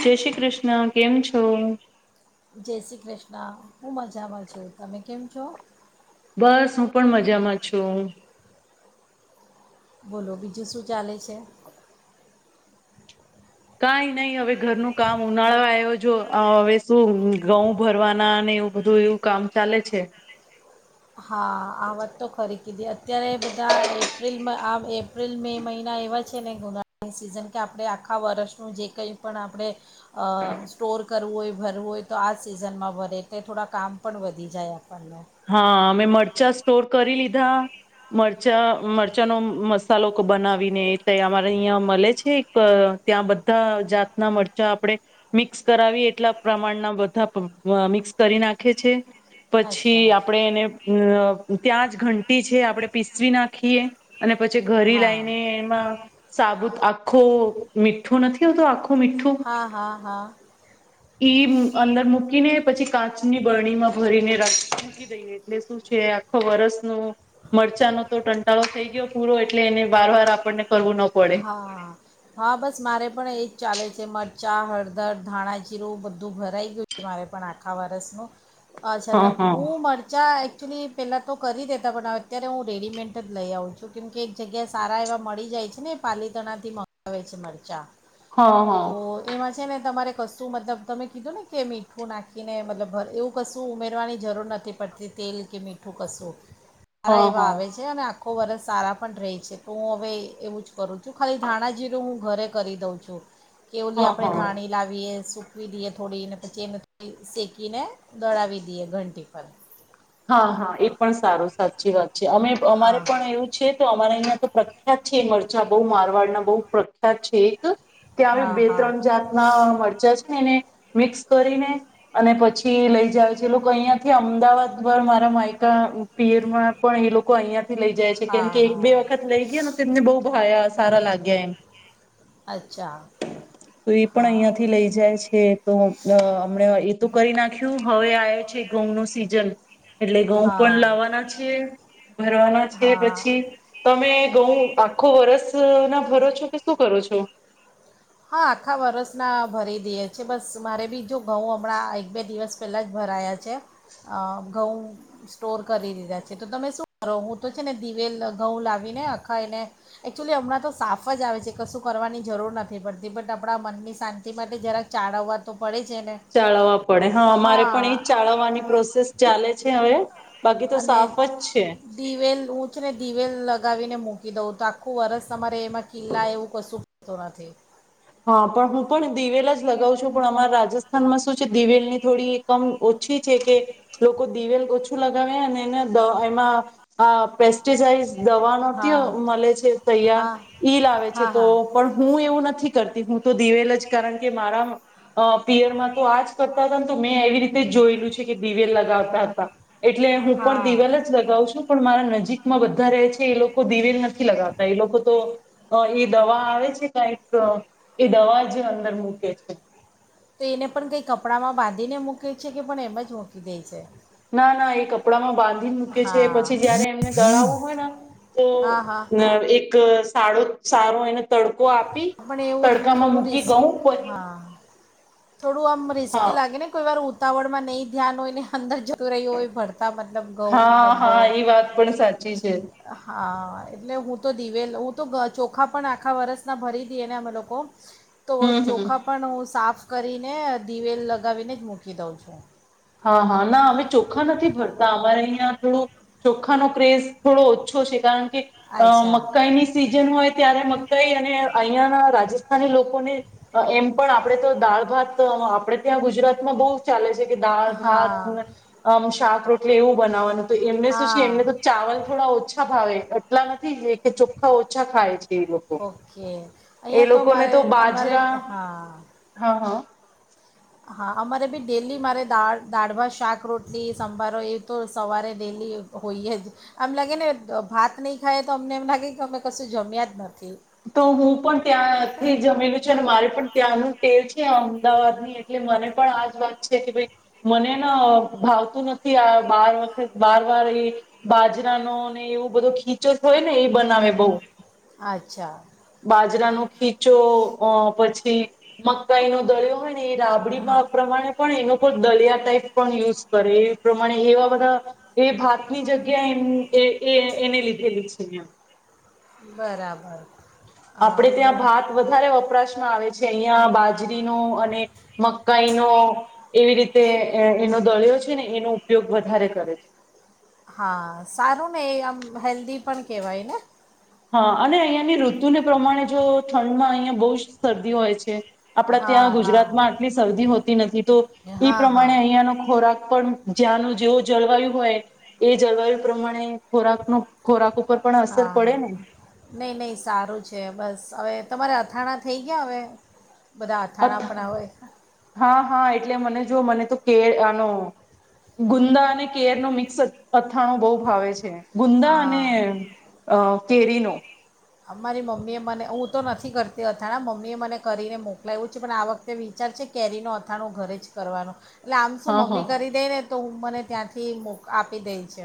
જય શ્રી કૃષ્ણ કેમ છો? હા હું મજામાં છું, તમે કેમ છો? બસ હું પણ મજામાં છું. બોલો બીજું શું ચાલે છે? કઈ નઈ હવે ઘરનું કામ ઉનાળો આવ્યો જો હવે શું ઘઉં ભરવાના અને એવું બધું એવું કામ ચાલે છે. હા આ વાત તો ખરી કીધી અત્યારે બધા એપ્રિલમાં આ એપ્રિલ મે મહિના એવા છે ને ઉનાળની સિઝન કે આપણે આખા વર્ષનું જે કંઈ પણ આપણે અ સ્ટોર કરવું હોય, ભરવું હોય તો આ જ સિઝનમાં ભરે એટલે થોડા કામ પણ વધી જાય આપ હા અમે મળ મરચા સ્ટોર કરી લીધા મરચા મરચાંનો મસાલો બનાવીને તે અમારે અહીંયા મળે છે. એક ત્યાં બધા જાતના મરચા આપણે મિક્સ કરાવી એટલા પ્રમાણના બધા મિક્સ કરી નાખે છે. પછી થી અચ્છા આપડે એને અ ત્યાં જ ઘંટી છે આપડે પીસવી નાખીએ. અને પછી ઘરે હા લઈને એમાં સાબુત આ ખો મીઠો નથી આવતો આખ મીઠું હા હા હા ઈ અંદર મુક્ મૂકીને પછી કાચ ની બરણી માં ભરીને રાખ. મૂકી દઈએ એટલે શું છે આખો વરસનો મરચાંનો તો ટંટાળો થઈ ગયો પૂરો એટલે એને વારવાર આપણને કરવું ન પડે. હા, હા બસ મારે પણ એ ચાલે છે મરચાં, હળદર, ધાણાજીરું બધું ભરાઈ ગયું છે મારે પણ આખા વરષનું હ અચ્છા તમ હ હુ મરચા અ ચ્યુલી પહેલાં તો કરી દેતા પણ અત્યારે હું રેડીમેન્ટ જ લઈ આવું છું કેમ કે એક જગ્યાએ સારા એવા મળી જાય છે ને પાલીતણાથી મગાવે છે મરચાં. હ તો હ એમાં છે ને તમારે કશું મતલબ તમે કીધું ને કે મીઠું નાખીને મતલબ એવું કશું ઉમેરવાની જરૂર નથી પડતી તેલ કે મીઠું કશું હ સારા એવા હ આવે છે અને આ આખુ વર્ષ સારા પણ રહે છે તો હું હવે એવું જ કરું છું ખાલી ધાણાજીરું હું ઘરે કરી દઉં છું. કે ઓલી હ હ આપણે હ ધાણી લાવીએ સુ [unintelligible] થોડી ને પછી એને શેકીને દડાવી દઈએ ઘંટી પર હા, હા, એ પણ સારું સાચી વાત છે, અમે અમારે હા પણ એવું છે તો અમારા અહીંયા તો પ્રખ્યાત છે, મરચા બહુ મારવાડના, બહુ પ્રખ્યાત છે એક ત્યાં હા બે હા ત્રણ જાતના મરચા છેને, મિક્સ કરીને અને પછી લઈ જાય છે, લોકો અહિયાંથી અમદાવાદ પર મારા માયકા, પિયરમાં પણ એ લોકો અહિયાં લઈ જાય છે, કેમ હા કે એક, બે, વખત હા લઈ ગયા ને તેમને બહુ ભાયા સારા લાગ્યા એમ અચ્છા તો એ પણ હા અહિયાંથી લઈ જાય છે તોમ અ હમણા એ તું કરી નાખ્યું હવે આવે છે ઘઉં નું સીઝન એટલે ઘઉં પણ હા લાવવાના છે, ભરવાના છે, હા પછી તમે ઘઉં આખો વરસ [unintelligible] ભરો છો કે શું કરો છો હા આખા વરસના ભરી દઈએ છીએ બસ મારે બી જો ઘઉં હમણાં એક બે દિવસ પહેલાં જ ભરાયા છે. ઘઉં સ્ટોર કરી દીધા છે. તો તમે શું કરો હું તો છે ને દિવેલ ઘઉં લાવીને આખા એને એકચુલી હમણાં તો સાફ જ આવે છે કશું કરવાની જરૂર ન થી પડતી પણ આપણા મનની શાંતિ માટે જરાક ચાળવવા તો પડે છે ને ચળવવા પડે હા અમારે પણ એ હા ચળવવાની પ્રોસેસ ચાલે છે હવે બાકી તો અને સાફ જ છે દિવેલ ઊતરે ને દિવેલ લગાવીને મૂક કીધો તો આખું વરસ તમારે મળી લાયે કશું તો નાથી હા પણ હું પણ દિવેલ જ લગાવ છું, પણ અમારા રાજસ્થાનમાં શું છે. દિવેલની થોડી એકમ ઓછી છે કે, લોકો દિવેલ ઓછું લગાવે. અને એને એમાં આ પેસ્ટિસાઈડ દવા નથી હા મળે છે તૈયાર હા ઈ લાવે છે હા તો હા પણ હું એવું ન કરતી હું તો દિવેલ જ કારણ કે મારા પિયરમાં તો આજ કરતા હતા તો મેં એવી રીતે જ જોયેલું છે, કે દિવેલ લગાવતા હતા. એટલે હું પણ હા દિવલ જ લગાવ છું પણ મારા નજીકમાં બધા રહે છે, એ લોકો દિવેલ નથી લગાવતા એ લોકો તો એ દવા આવે છે કઈક એ દવા જે અંદર મૂકે છે. તો એને પણ કઈ કપડામાં બાંધીને મૂકે છે? કે પણ એમ જ મૂકી દે છે? ના ના એ કપડા માં બાં ધી મૂકે છે, હા પછી જયારે એમને દળાવવું હોય ને તો હા હા એક. [unintelligible] સાદો સારો એને તડ પણ એવું થોડું રિસ્, ગઉં હા, થોડું આમ હા રિસ્કી લાગે ને કોઈ વાર તવળડમાં નહીં ધ્યાન હોયને અંદર જ તુરૈઓય ભણતાં મતલબ ઘઉં હા ડમબો, હા એ વાત પણ સાચી છે હા એટલે હું, તો દિવેલ હું, તો ચોખા પણ આખા વર્ષના ભરી દી એને અમે લોકો તો હમ હમ ચોખા પણ સાફ કરીને દિવેલ લગાવીને જ મૂકી દઉં છું. હા હા, ના અમે ચોખ્ખા નથી ભરતા અમારે અહીં થોડું ચોખ્ખાનોો ક્રેઝ થોડો ઓછો છે, કારણ અચ્છા મકાઈની સિઝન હોય ત્યારે મકાઈ અને અહિયાં ના રાજસ્થાની લોકોને એમ પણ આપણેે તો દાળ ભાત આપણેે ત્યાં ગુજરાતમાં બહુત ચાલે છે દાળ હા ભાત શાક રોટલી એવું બનાવવાનું તો એમને શું છે હા એમને તો ચાવલ થોડા ઓછા ભાવે. એટલા નથી કે ચોખ્ખા ઓછા ખાય છે. એ લોકો ઓકે, એ અહીંયા તો લોકોને મારે અમારે, બાજરા હા. હા હા હા, અમારે બી ડેલી મારેા દાળભા શાક રોટી સાભારો એ તો સવારે ડેલી હોય જ આમ લાગે ને ભાત નહીં ખાય તો અમને એમ લાગે કે અમે કશું જમ્યા જ ન તો હું પણ ત્યાંથી જમેલું છ અને મારે પણ ત્યાંનું તેલ છે અમદાવાદ ની એટલે મને પણ આજ વાત છે કે ભાઈ મને ભાવતું નથી આ બાર વખત બાર વાર એ બાજરાનો ને એવું બધો ખીચો થ હોય ને એ બનાવે બહુ અચ્છા બાજરાનું ખીચો અ પછી મકાઈ નો દરિયો હોય એ રાબડી હા મા પ્રમાણે પણ એનો દલિયા ટાઈપ પણ યુઝ કરે એ પ્રમાણે એવા બધા એ ભાતની જગ્યા એ એને લીધેલી છે એમ. બરાબર. હા આપડે ત્યાં એટલે ભાત વધારે વપરાશમાં આવે છે ત્યાં બાજરી નો અને મકાઈનો એવી રીતે એનો દોળ્યો છે જે ને એનો ઉપયોગ વધારે કરે છે હા સારું ને એ આમ હેલ્ધી પણ કહેવાય ને હા અને અહિયાંની ઋતુને પ્રમાણે જો ઠંડમાં અહિયા બહુ જ શરદી હોય છે આપણા ત્યાં હા હા ગુજરાતમાં આટલી શરદી હોતી નથી તો ઈ હા હા પ્રમાણે અહિયાંનો ખોરાક પણ જ્યાંનું જેવું જળવાયુ હોય એ જળવાયુ પ્રમાણે ખોરાકનો ખોરાક ઉપર પણ અસર હા પડે હા ને નહીં નહીં સારું છે બસ હવે તમારે અથાણા થઈ ગયા હવે બધા અથ અથાણાં પણ હવે હા હા એટલે મને જો મને તો કેર આનો ગુંદા અને કેર નો મિક્સ અથાણો બહુ ભાવે છે ગુંદા અને હા અ કેરીનુ. મારી મમ્મી એ મને હું તો નથી કરતી અથાણ મમ્મી એ મને કરીને મોકલાય્યું છે પણ આ વખતે વિચાર છે કેરીનો અથાણું ઘરે જ કરવાનું. એટલે આમ શું હા હા મમ્મી કરી દે ને તો હું મને ત્યાંથી મોક આપી દેએ છે.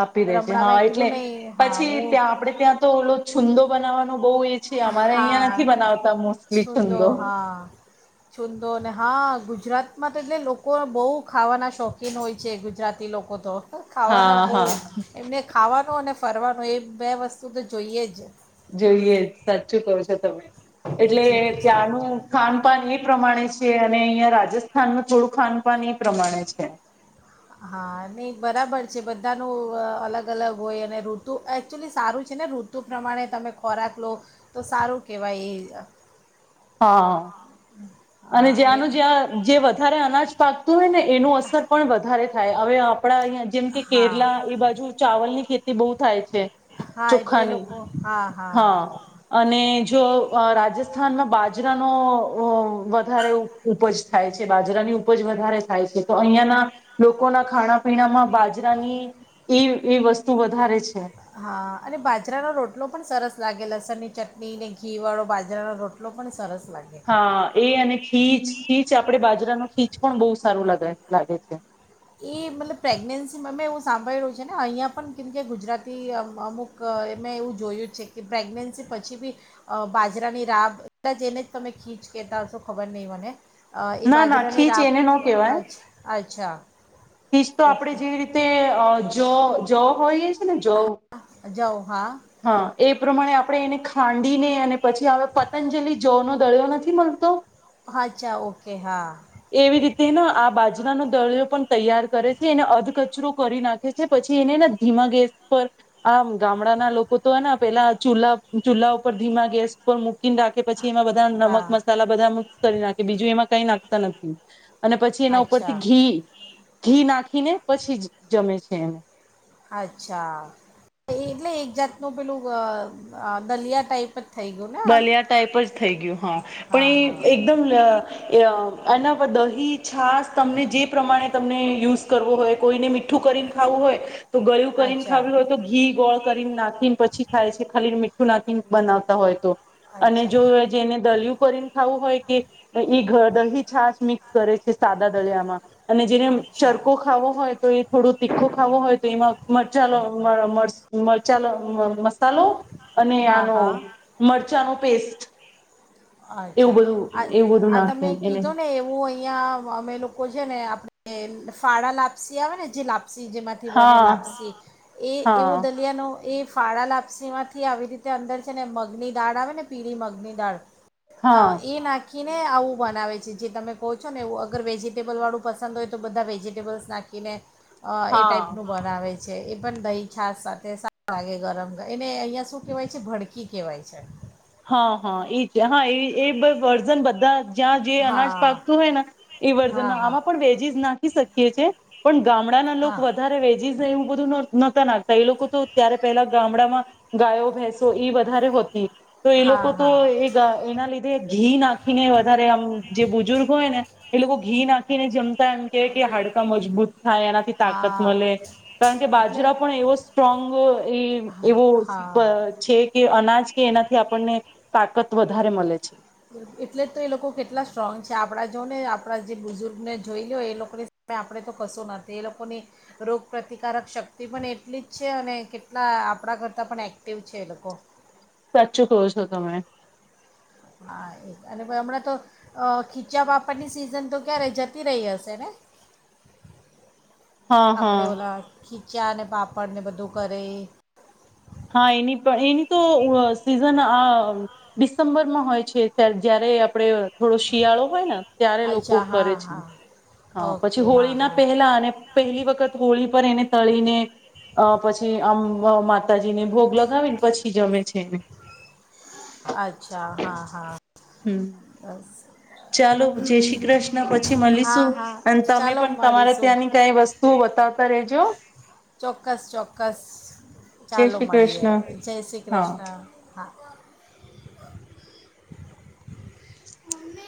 આપી દે પણ છે. હમણાં મેં હા એટલે કીધું નહીં હા પછી હું ત્યાં આપડે ત્યાં તો ઓલો છુંંદો બનાવાનું બહુ એ છે અમારે અહિયાં હા નથી બનાવતા મોસ્ટલી છુન્દો. છુંદો હા છૂંદો ને હા ગુજરાતમાં તો એટલે લોકો બહુ ખાવાના શોખીન હોય છે. ગુજરાતી લોકો તો. ખાવાના હા બહુ હા એમને ખાવાનું અને ફરવાનું એ બે વસ્તુ તો જોઈએ જ. જોઈએ સાચું કહો છો તમે. એ એટલે છે પછી ત્યાંનું ખાન પાાન એ. પ્રમાણે છે અને અહ્યા રાજસ્થાન ન થોડું ખાન પાાન એ પ્રમાણે છે. હા નહી બરાબર. જે બધાનું અલગ-અલગ હોય અને ઋતુ એકચુલી સારું છે ને ઋતુ પ્રમાણે તમે ખોરાક લો તો સારું કહેવાય એ. હા અને જ્યાંનું જ્યાં જે વધારે અનાજ પાકતું હોય ને એનો અસર પણ વધારે થાય. હવે આપણા અહ્યા જેમ કે હા કેરલા એ બાજુ ચાવલની ખેતી એ બહુ થાય છે. છે. હા એટલે ચોખાની લોકો હા હા અને જો અ રાજસ્થા રાજસ્થાનમાં બાજરાનો વધારે ઉપજ થાય છે. બાજરાની ઉપજ વધારે થાય છે. તો અહિયાંના લોકોના ખાણા પીણામાં બાજરાની ઈ વસ્તુ વધારે છે હા અને બાજરાનો રોટલો પણ સરસ લાગે લસણ ની ચટણી, ને ઘી વાળો બાજરાનો રોટલો પણ સરસ લાગે હા એ અને ખીચ ખીચ આપડે બાજરાનો ખીચ પણ બહુ સારું લાગે લાગે છે. એ મતલબ પ્રેગ્નેન્સીમાં મેં એવું સાંભળેલ્યું છે ને અહીંયા પણ કેમકે ગુજરાતી અમુ અમુક મેં એવું જોયું જ છે કે પ્રેગ્નન્સી પછી બી અ બાજરાની રાબ એટલા જેને જ તમે ખીચ કહેતા હશો ખબર નહીં મને ના ના ખીચ એને ન કહેવાય [unintelligible] અચ્છા. ખીચ તો આપડે ઓકે જે રીતે અ જો. જો હોયશ. જાઓ હા [unintelligible] એ પ્રમાણે આપણે એને ખાંડીને અને પછી હ પતંજલિ જવનો દળિયો નથી મળતો? અચ્છા ઓકે હા. એવી રીતે ને [unintelligible] તૈયાર કરે છે એને અધ કચરો કરી નાખે છે. પછી એને ધીમા ગેસ પર આમ ગામડાના લોકો તોને પેલા ચૂલ્લા ચૂલ્લા ઉપર ધીમા ગેસ પર મૂકીને નાખે પછી.... એમાં બધા નમક હા મસાલા બધા કરી નાખે બીજું એમાં કઈ નાખતા નથી. અને પછી એના અચ્છા ઉપરથી ઘી. ઘી નાખીને પછી જ જમે છે એને અચ્છા એટલે એક જાતનું પેલું અ આ દલિયા ટાઈપ થઈ ગયું ને આમ દલિયા ટાઈપ જ થઈ ગયું હા હા પણ હા એ એકદમ અ એ અ અન દહી છાસ તમને જે પ્રમાણે તમને યુઝ કરવો હોય કોઈને મીઠું કરીને ખાવું હોય તો ગળ્યું કરીને અચ્છા ખાવ્યું હોય તો ઘી ગોળ કરીને નાખીને પછી ખાય છે ખાલી મી ઠું નાખીન બનાવતા હોય. તો અને અચ્છા જો જેને દલિયું કરીને ખાવું હોય કે ઈ ગ દહી છાસ મિક્સ કરે છે સાદા દળિયામાં અને જેને અચ્છા ચરકો ખાવો હોય તો એ થોડો તીખો ખાવો હોય તો એમાં મરચાલો મર મ- મરચાનો મર મસ્ત મસાલો અને હા આનો હા નો પેસ્ટ એવું અચ્છા બધું આ એવું બધું આ નાખે તમે એને કીધું ને એવું હો- ઇયા અમે લોકો છે ને આપણે ફાળા લાપસી આવે ને જે લાપ- આપસી જેમાંથી બને હા લાપસી એ એવો હા દલિયાનો એ ફાળા લાપસી માંથી આવી રીતે અંદર છે ને મગની દાળ આવે ને પીળી મગની દાળ અ હા એ નાખ- નાખીને આવું બનાવે છે જે તમે કો છો ને એવું અગર વેજીટેબલવાળું પસંદ હોય તો બધા વેજિટેબલ્સ નાખીને. અ એ હા ટાઈપનું બનાવે. છે એ પણ દહી છાસ સાથે સારો લાગે ગરમ એને અહિયાં શું કેવાય છે ભડકી કેવાય છે. હ હ એ છે હા એ એ વર્ઝન બધાં જ જ્યાં જે અનાજ હા પાકતું હોય ને એ હા વર્ઝન હા આમાં પણ વેજીસ નાખી શકીએ છે. ગામડા ના લોકો હા વધારે વેજીસ સ એવું બધું ન નતા નાખ તા એ લોકો તો ત્યારે પેલા ગામડામાં મા ગાયો ભેસો ઈ વધારે હોતી. તો એ લોકો હા તો હા એ ગાયના લીધે ઘી નાખીને વધારે આમ જે બુજુર્ગ હોય ને એ લોકો ઘી નાખીને જમ [unintelligible] કે કે હાડકા મજબૂત થાય એનાથી તાકાત હા મલે કારણ કે એટલે બાજરા પણ એવો સ્ટ્રોંગ એ એવો હા પ છે કે અનાજ કેના થી આપણને તાકત વધારે મલે છે. એટલે જ તો એ લોકો કેટલા સ્ટ્રોંગ છે આપણા જો ને આપણા જે બુઝુર્ગને જોઈલો એ લોકોની સામે આપણે તો કશું નથી એ લોકોની રોગપ્રતિકારક શક્તિ પણ એટલી જ છે અને કેટલા આપણા કરતાં પણ એક્ટિવ છે એ લોકો. સાચું કહો છો તમે. હા એ અને હમણાં તો અ ખીચ્યાં પાપડની સિઝન તો ક્યારે જતી રહી હશે ને. હા આપડે હા ઓલા ઠી ચા ને પાપડને બધું કરે એ. હા એની પણ એની તો અ સીઝન આ ડિસેમ્બરમાં હોય છે ત્યા જયારે આપણે થોડો શિયાળો હોય ને ત્યારે લોકો અચ્છા હા કરે છે. હા હા પછી ઓકે હા હોળી ના હા પહેલા અને પહેલી વખત હોળી પર એને તળીને અ પછી આમ વ મા તાજીને ભોગ લગાવીને પછી જમે છે એને. અચ્છા હા હા. હમ બસ. ચાલો જય શ્રી કૃષ્ણ પછી હા મલીશું. હા અને તમે ચાલો પણ તમારે મળીશું ત્યાંની કાઈ વસ્તુઓ બતાવતા રેજો. ચોક્કસ ચોક્કસ. જય ચાલો શ્રી મળીએ કૃષ્ણ જય શ્રી હા કૃષ્ણ હા. [inaudible] મમ્મે.